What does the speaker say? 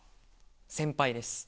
先輩です。